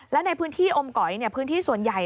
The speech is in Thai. และในพื้นที่อมก๋อยพื้นที่ส่วนใหญ่